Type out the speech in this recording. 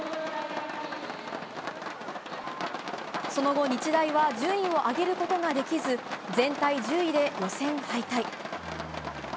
その後、日大は順位を上げることができず全体１０位で予選敗退。